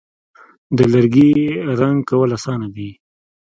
د لرګي رنګ کول آسانه دي.